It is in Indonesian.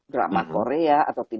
drama korea atau